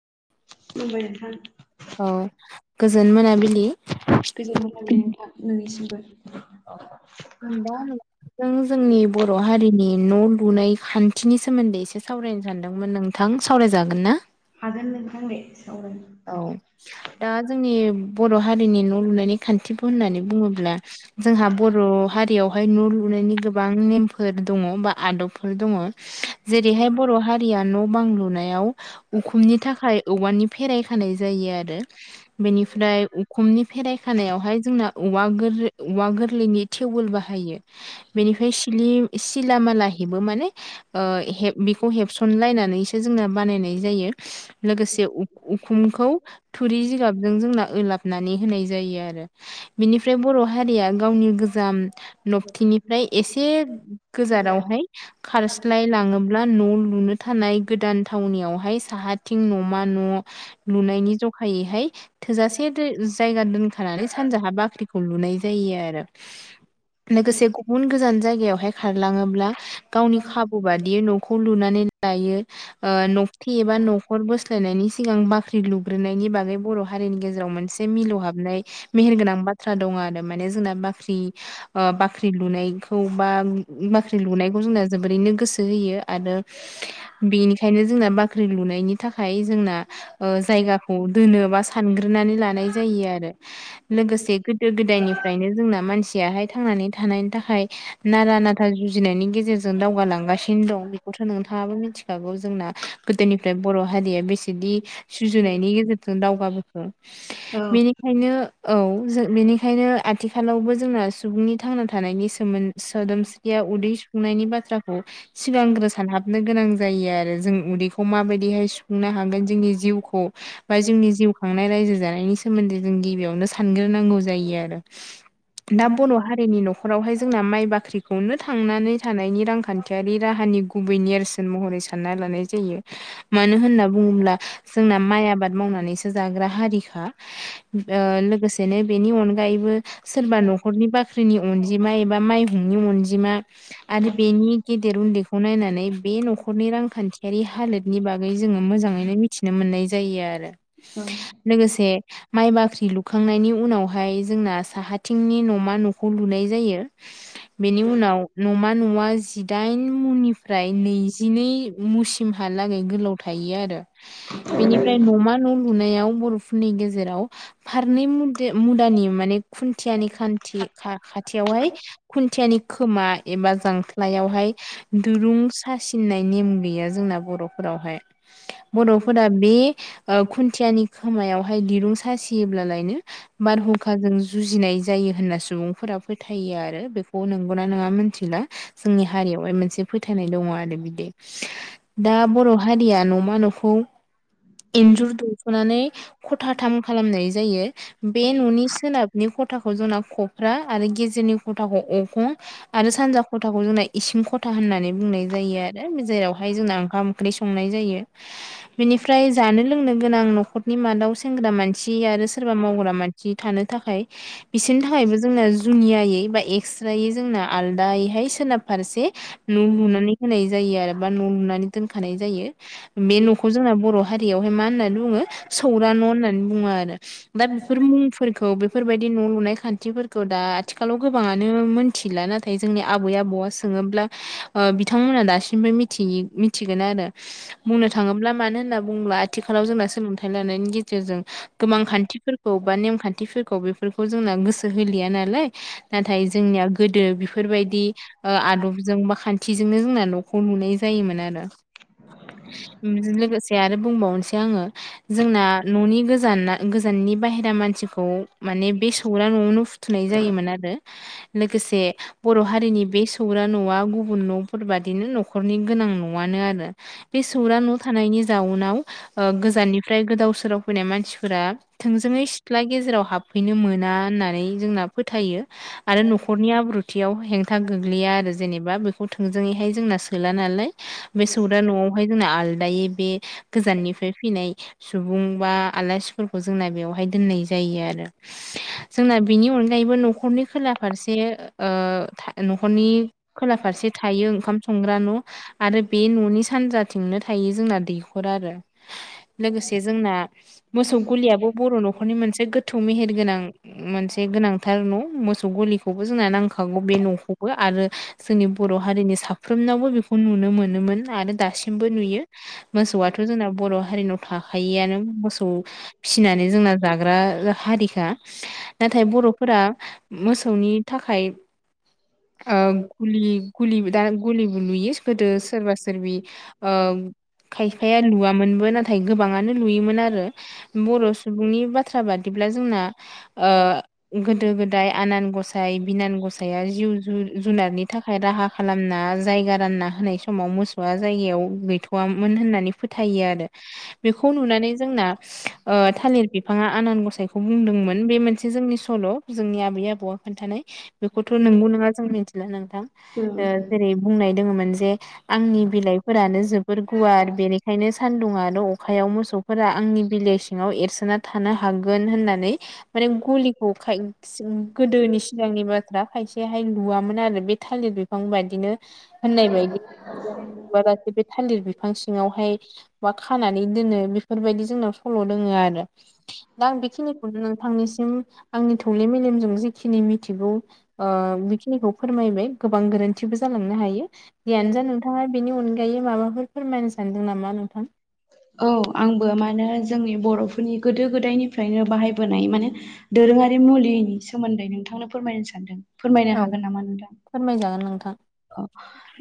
मबाइलथ औ गोजोन मोनाबिलि गोजोन मोनाबिलि नोंथां नोंनिसिमबो दा नों जोंनि बर' हारिनि न' लुनाय खान्थिनि सोमोन्दै एसे सावरायनो सानदोंमोन नोंथां सावरायजागोन ना हाडोन नोंथां दे सावरायनो औ दा जोंनि बर' हारिनि न' लुनायनि खान्थिबो होननानै बुङोब्ला जोंहा बर' हारियावहाय न' लुनायनि गोबां नेमफोर दङ बा आदब फोर दङ जेरैहाय बर' हारिया न' बां लुनायाव उखुमनि थाखाय औवानि फेराइ खानाय जायो आरो बेनिफ्राय उखुमनि फेराइ खानायावहाय जोंना औवा गोर औवा गोरलैनि टेवोल बाहायो बेनिफ्राय सिलि सिलालामाला हेबो माने बेखौ हेबसनलायनानै जों बानायनाय जायो लोगोसे उखुमखौ थुरि जिगाबजों जों लाबनानै होनाय जायो आरो बेनिफ्राय बर' हारिया गावनि गोजाम नबथिनिफ्राय एसे गोजारावहाय खारस्लाय लाङोब्ला न' ल नुनो थानाय गोदान थावनियावहाय साहाथिं न'मा न' लुनायनि जखायैहाय थोजासे जायगा दोनखानानै सानजाहा बाख्रिखौ लुनाय जायो लोगोसे गुबुन गोजाननि गोजान जायगायावहाय खारलाङोब्ला गावनि खाबु बादियै न'खौ लुनानै लायो न'खथि एबा न'खर बोस्लायनायनि सिगां बाख ख्रि लुग्रोननि बागै बर' हारिनि गेजेराव मोनसे मिलौहाबनाय मेहेरगोनां बाथ्रा दं आरो माने जोंना बाख्रि बाख्रि लुनायखौ बा बाख्रि लुनायखौ जोंना जोबोरैनो गोसो होयो आरो बेनिखायनो जोंना बाख्रि लुनायनि थाखाय जोंना जायगाखौ दोनो बा सानग्रोनानै लानाय जायो आरो लोगोसे गोदो गोदायनि फ्रायनो जोंना मानसियाहाय थांनानै थानायनि थाखाय नारा नाथा जुजिनायनि गेजेरजों जों दावगाालांगासिनो दं बेखौथ' नोंथाङाबो मिथिखागौ जोंना गोदोनिफ्राय बर' हारिया बेसेदि रुजुनायनि गेजेरजों दावगाबोखो औ बेनिखायनो औ जों बेनिखायनो आथिखालावबो जोंना सुबुंनि थांना थानायनि सोमोन्दै सोदोमस्रिया उदै सुफुंनायनि बाथ्राखौ सिगांग्रोसान हाबनो गोनां जायो जायो आरो जों उदैखौ माबायदिहाय सुफुंनो हागोन जोंनि जिउ खौ बा जोंनि जिउ खांनाय रायजो जानायनि सोमोन्दै जों गिबियावनो सानग्रोनांगौ जायो आरो दा बर' हारिनि न'खरावहाय जोंना माइ बाख्रिखौनो थांनानै थानायनि रांखान्थियारि राहा नि गुबै नेरसोन महरै सानना लानाय जायो मानो होनना बुंङोब्ला जोंना माइ आबाद मावनानैसो जाग्रा हारिखा लोगोसेनो बेनि अनगायैबो सोरबा न'खरनि बाख्रिनि अनजिमा एबा माइहुंनि अनजिमा आरो बेनि गेदेर उन्दैखौ नायनानै बे न'खरनि रांखान्थियारि हालोदनि बागै जों मोजांङैनो मिथिनो मोननाय जायो आरो औ लोगोसे माइ बाख्रि लुखांनायनि उनावहाय जोंना साहाथिंनि न'मा न' खौ लुनाय जायो बेनि उनाव न'मा न'आ जिदाइन मुनिफ्राय नैजिनै मुसिमहालागै गोलाव थायो आरो बेनिफ्राय न'मा न' लुनायाव बर'फोरनि गेजेराव फारनै मु-मुदानि माने खुन्थियानि खान्थि खा-खाथियावहाय खुन्थियानि खोमा एबा जांख्लायावहाय दुरुं सासिननाय नेम गैया जोंना बर' फोरावहाय बर'फोरा बे खुन्थियानि खोमायाव हाय दिरुं सासियोब्लालायनो बारहुंखाजों जुजिनाय जायो होनना सुबुंफोरा फोथायो आरो बेखौ नोंगौना नंङा मोनथिला जोंनि हारियावहाय मोनसे फोथायनाय दंङ आरो बिदि दा बर' हारिया न'मा न'खौ इन्जुर दौख'नानै खथाथाम खालामनाय जायो बे न'नि सोनाबनि खथ खथाखौ जोंना खफ्रा आरो गेजेरनि खथाखौ अखं आरो सानजा खथाखौ जोंना इसिं खथा होननानै बुंनाय जायो आरो जेरावहाय जोंना ओंखाम ओंख्रि संनाय जायो। बिनिफ्राय जानो लोंनो गोनां न'खरनि मादाव सेंग्रा मानसि आरो सोरबा मावग्रा मानसि थानो थाखाय बिसोरनि थाखायबो जोंना जुनियायै एबा एस्रा जों आलादायै सोनाब फारसे न' लुनानै होनाय जायो आरो एबा न' लुनानै दोनखानाय जायो बे न'खौ जों बर' हारियावाहाय मा होननानै बुंङो सौरा न' होननानै बुंङो आरो दा बेफोर मुंफोरखौ बे बेफोरबायदि न' लुनाय खान्थिफोरखौ दा आथिखालाव गोबांङानो मोनथिला ना नाथाय जोंनि आबै आबौआ सोङोब्ला बिथांमोना दासिमबो मिथि-मिथिगोन आरो बुंनो थांङोब्ला मानो होनना बुंङोब्ला आथिखालाव जोंना सोलोंथाइ लानायनि गेजेरजों गोबां खान्थिफोरखौ बा नेमखान्थिफोरखौ बेफोरखौ जोंना गोसो होलिया नालाय नाथाय जोंनिया गोदो बेफोरबायदि आदबजों बा खान थिजोंनो जोंना न'खौ लुनाय जायोमोन आरो लोगोसे आरो बुंबावनोसै आंङो जोंना न'नि गोजाना गोजाननि बाहेरा मानसिखौ माने बे सौरा न'आवनो फुथुनाय जायोमोन आरो लोगोसे बर' हारिनि बे सौग्रा न'आव न'आ गुबुन न'फोर बादिनो न'खरनि गोनां न'आनो आरो बे सौग्रा न' थानायनि जाउनाव गोजाननिफ्राय गोदाव सोराव फैनाय मानसिफोरा थोंजो ङै सिथ्ला गेजेराव हाबफैनो मोना होननानै जोंना फोथायो। आरो न'खरनि आब्रुथियाव हेंथा गोग्लैया आरो जेनेबा बेखौ थोंजोङैहाय जोंना सोला ना लाय बे सौरा न'आव जोंना आलदायै बे गोजाननिफ्राय फैनाय सुबुं बा आलासि फोरखौ जोंना बेवहाय दोननाय जायो आरो जोंना बेनि अनगायैबो न'खरनि खोला फारसे था न'खरनि खोला फारसे से थायो ओंखाम संग्रा न' आरो बे न'नि सानजाथिंनो थायो जोंना दैखर आरो [inaudible] लोगोसे जोंना मोसौ गलियाबो बर' न'खरनि मोनसे गोथौ मेहेर गोनां मोनसे गोनांथार न' मोसौ गलिखौबो जोंना नांखा गौ बे न'खौबो आरो जोंनि बर' हारिनि साफ्रोमनावबो बेखौ नुनो मोनो। नुयोमोन आरो दासि मबो नुयो मोसौआथ' जोंना बर' हारिनाव थाखायोआनो मोसौ फिसिनानै जों जाग्राग्रा हारिखा। नाथाय बर'फोरा मोसौनि थाखाय गुलि गुलि दा गुलिबो लुयो गोदो सोरबा सोरबि खायफाया लुवामोनबो नाथाय गोबाङानो लुयोमोन आरो बर' सुबुंनि बाथ्रा बादिब्ला जोंना गो दो गोदाय आनान गसाय बिनान गसाया जिउ जुनारनि थाखाय राहा खालामना जायगा रानना होनाय समाव मोसौआ जायगायाव गैथ'वामोन होननानै फोथायो आरो बेखौ नुनानै जोंना थालिर बिफाङा आनान गसाइखौ बुंदोंमोन बे मोनसे जोंनि सल' जोंनि आबै आबौआ खोन्थानाय बेखौथ' नोंगौ। जों मिथिला नोंथां औ जेरै बुंनाय। मोन जे आंनि बिलाइफोरानो जोबोर गुवार बेनिखायनो सान्दुं आरो अ अखायाव मोसौफोरा आंनि बिलाइ सिङाव एरसोना। थानो हागोन होननानै माने गलिखौ गोदोनि सिगांनि बाथ्रा। इसेहाय लुवोन आरो बे थालिर बिफां बायदिनो होननाय बायदि। बे बे थालिर बिफां सिङावहाय मा खानानै दोनो बेफोरबायदि जोंनाव सल' दोङो आरो। [inaudible] दा आं बेखिनिखौनो नोंथांनिसिम आंनि थौले मेलेमजों जिखिनि मिथिगौ। खिनिखौ फोरमायबाय गोबां गोरोन्थिबो जालांनो हायो जियानोजा नोंथाङा बेनि अन गायै माबाफोर। फोरमायनो सानदों नामा नोंथां औ आंबो मानो। जोंनि बर'फोरनि गोदो गोदायनिफ्रायनो बाहायबोनाय माने दोरोङारि मुलिनि सोमोन्दै नोंथां। नोंथांनो फोरमायनो सानदों फोरमायनो औ हागोन नामा नोंथां। फोरमायजागोन नोंथां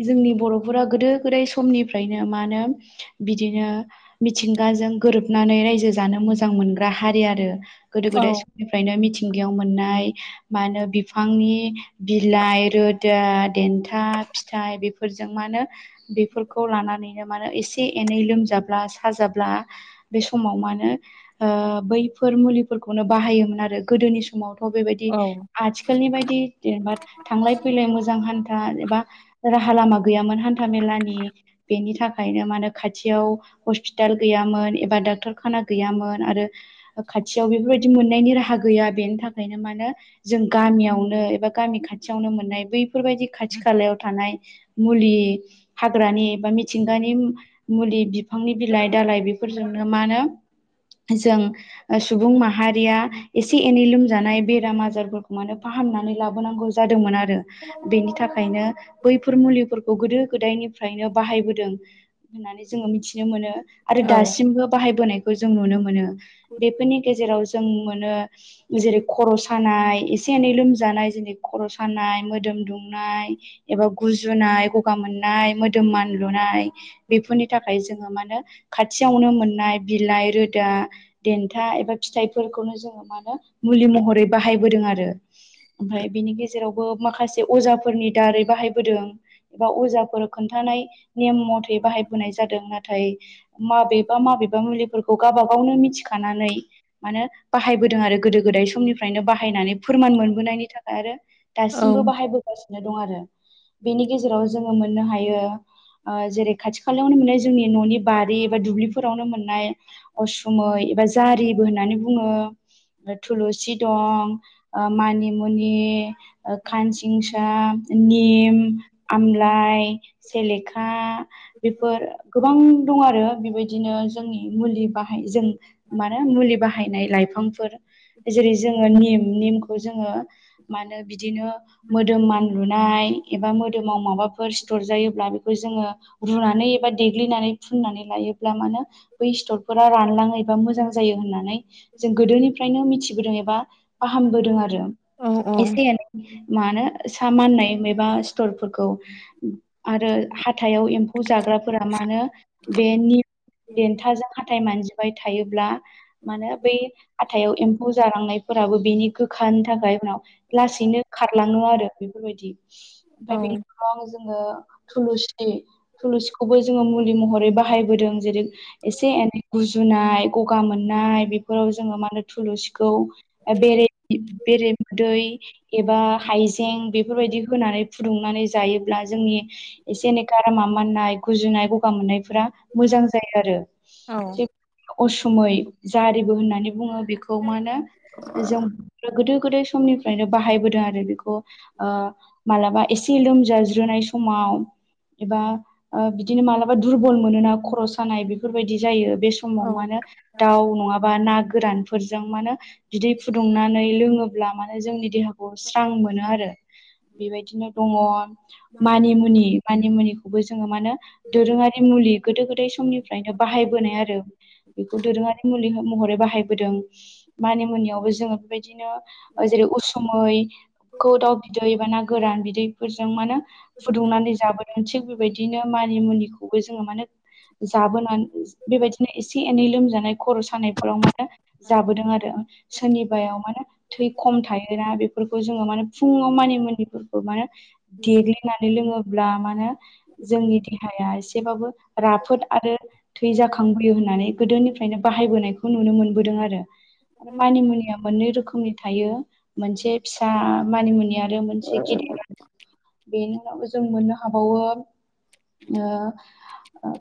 जोंनि बर'फोरा गोदो गोदाय समनिफ्रायनो मा होनो बिदिनो। मिथिंगाजों गोरोबनानै रायजो जानो मोजां मोनग्रा हारि आरो। गोदो औ गोदाय समनिफ्रायनो मिथिंगायाव मोननाय मा होनो बिफांनि। बिलाइ रोदा देन था फिथाइ बेफोरजों मानो बेफोरखौ लानानैनो मानो एसे एनै लोमजाब्ला। साजाब्ला बे समाव माहोनो बैफोर मुलिफोरखौनो बाहायोमोन आरो। गोदोनि समावथ' बेबायदि औ आथिखालनि बायदि जेनेबा थांलाय फैलाय मोजां हा राहा एबा राहा लामा गैयामोन हानथा मेलानि। बेनि थाखायनो मा होन खाथियाव हस्पिटाल गैयामोन एबा डाक्टर खाना गैयामोन आरो। खाथियाव बेफोरबायदि मोननायनि राहा गैया बेनि थाखायनो मानो। जों गामियावनो एबा गामि खाथियावनो मोननाय बैफोर बायदि। खाथि खालायाव थानाय मुलि हाग्रानि बा मिथिंगानि। मुलि बिफांनि बिलाइ दालाइ बेफोरजोंनो मा होनो। जों सुबुं माहारिया एसे एनै लोमजानाय बेराम आजारफोरखौ मानो फाहाम। हामनानै लाबोनांगौ जादोंमोन आरो बेनि थाखाय। ओंखायनो बैफोर मुलिफोरखौ गोदो गोदायनिफ्रायनो बाहायबोदों होननानै जोङो मिथिनो मोनो। आरो औ दासिमबो बाहायबोनायखौ जों नुनो मोनो बेफोरनि गेजेराव जों मोनो। जेरै खर' सानाय एसे एनै लोमजानाय जेरै खर' सानाय मोदोम दुम नाय गुुनाय गगा मोननाय। नाय मोदोम मान लुनाय बेफोरनि थाखाय जोङो मा म होन खाथियावनो मोननाय बिलाइ रोदा देन्था एबा फिथाइफोरखौनो जोङो मा होनो। मुलि महरै बाहायबोदों आरो ओमफ्राय बिनि गेजेरावबो माखासे अजा। फोरनि दारै बाहायबोदों एबा अजाफोर खोन्थानाय नेम मथे बाहाय होबोनाय जादों नाथाय। माबेबा माबेबा मुलिफोरखौ गावबा गावनो मिथिखानानै माने बाहायबोदों आरो। गोदो गोदाय समनिफ्रायनो बाहायनानै फोरमान मोनबोनायनि थाखाय आरो औ दासिमबो बाहायबो दं आरो बेनि गेजेराव जोङो मोननो हायो। ओ जेरै खाथि खालायावनो मोननाय जोंनि ननि बारि बा दुब्लिफोरावनो मोननाय उसुमै एबा जारिबो होननानै बुङो थुलुसि दं ओ मानिमुनि खानसि आमलाइ सेलेखा बेफोर गोबां दं आरो। बेबायदिनो जोंनि मुलि बाहाय जों मानो मुलि बाहायनाय लाइफांफोर जेरै जोङो निम निमखौ जोङो मानो बिदिनो मोदोम मान लुनाय एबा मोदोमाव माबाफोर सिथर जायोब्ला बेखौ जोङो रुनानै एबा देग्लिनानै फुननानै लायोब्ला मानो बै सिथरफोरा रानलाङो एबा मोजां जायो होननानै जों गोदोनिफ्रायनो मिथिबोदों एबा फाहामबोदों आरो औ एसे एनै मानो सा माननाय एबा फटरफोरखौ आरो हाथाइआव एम्फौ जाग्राफोरा मानो बे नि देन्थाजों हाथाय मानजिबाय थायोब्ला मानो बै हाथायाव एम्फौ जालांनायफोराबो बिनि गोखानि थाखाय उनाव लासैनो खारलाङो आरो बेफोरबायदि औ ओमफाय बेनि उनाव जोङो थुलुंसि थुलुसिखौबो जोङो मुलि महरै बाहायबोदों जेरै एसे एनै गुजु जुनाय गगा मोननाय बेफोराव जोङो मा होनो थुलुसिखौ बेरे बेरेमोदै एबा हाइजें बेफोरबायदि होनानै फुदुंनानै जायोब्ला जोंनि एसे एनै गारमा माननाय गुजुनाय गगा मोननाय फोरा मोजां जायो आरो औ जे असुमै जारिबो होननानै बुङो बेखौ मा होनो जों गोदो गोदाय समनिफ्रायनो बाहायबोदों आरो बेखौ ओ मालाबा एसे लोमजाज्रोनाय समाव एबा बिदिनो आ मालाबा दुरबल मोनोना खर सानाय बेफोरबायदि जायो। बे समाव मा होनो दाउ नङा बा ना गोरानफोरजों माने बिदै फुदुंनानै लोङोब्ला माने जोंनि देहाखौ स्रां मोनो आरो बेबायदिनो दंङ माने मुनि मानि मुनिखौबो जोङो मा होनो दोरोंङारि मुलि गोदो गोदाय समनिफ्रायनो बाहायबोनाय आरो बेखौ दोरोंङारि मुलि महरै बाहायबोदों मानि मुनियावबो जोङो बेबायदिनो जेरै समै खौ दाउ बिदै बा ना गोरान बिदैफोरजों माने फुदुंनानै जाबो थिग बेबायदिनो मानि मुुलिखौबो जोङो माने जाबोनानै बेबायदिनो एसे एनै लोमजानाय खर सानायफोराव माने जाबोदों आरो सोरनिबायाव माने थै खम थायो। बेफोरखौ जोङो माने फुङाव मानि मुनिफोरखौ माने देग्लिनानै लोङोब्ला मा होनो जोंनि देहाया एसेबाबो राफोद आरो थै जाखांबोयो होननानै गोदोनिफ्रायनो बाहायबोनायखौ नुनो मोनबोदों आरो आरो मानिमुनिया मोननै रोखोम रोखमनि थायो मोनसे फिसा मानिमुनि आरो मोनसे गिदिर बेनि उनाव जों मोननो हाबावो ओ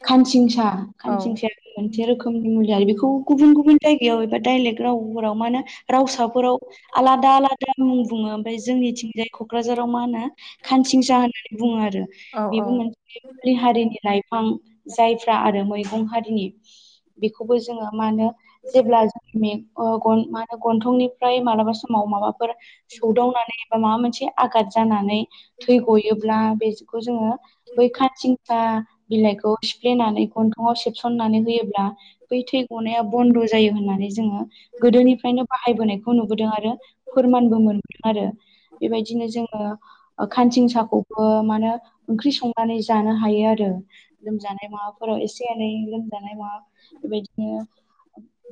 खानसिंसा औ खानसिंसाया मोनसे रोखोमनि मुलि आरो बेखौ गुब गुब गुबुन गुबुन जायगायाव एबा दाइलेख रावफोराव मानो रावासाफोराव आलादा दा मुं बुङो ओमफाय जोंनिथिंजाय कक्राझाराव मा होनो खानसिंसा होननानै बुङो आरो औ औ बेबो मोनसे हारिनि लाइ आं जायफ्रा आरो मैगं हारिनि बेखौबो जोङो मा होनो जेब्ला जोंनि मा होनो गन्थंनिफ्राय मालाबा समाव माबा सौदावनानै बा माबा मोनसे आगाद जानानै थै गयोब्ला बेखौ जोङो बै खाथिंखा बिलाइखौ फ्लेनानै गन्थंआव सेबसननानै होयोब्ला बै थै गनाया बन्द' जायो होननानै जोङो गोदोनिफ्रायनो बाहायबोनायखौ नुबोदों आरो गोमोन आरो बेबायदिनो जोङो खानसिं साखौबो मानो ओंख्रि संनानै जानो हायो आरो लोमजानाय माबा फोराव एसे एनै लोमजानाय मा बेबायदिनो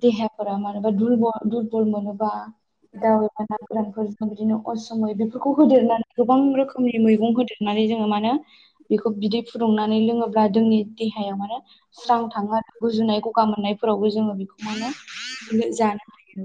देहाफोरा मानोबा दुरबल दुरबल मोनोबा दा फोर जों बिदिनो असमि बेफोरखौ होदेरनानै गोबां रोखोमनि मैगं होदेर नानै जोङो मा होन बेखौ बिदै फुदुंनानै लोङोब्ला जोंनि देहायाव मानोे स्रां थाङो आरो गुजुनाय गगा मोननायफोरावबो जोङो बेखौ मा जानो हायो।